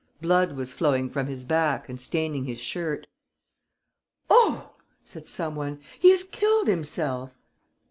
Blood was flowing from his back and staining his shirt. "Oh!" said some one. "He has killed himself!"